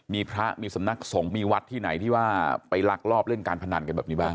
มีพระมีสำนักสงฆ์มีวัดที่ไหนที่ว่าไปลักลอบเล่นการพนันกันแบบนี้บ้าง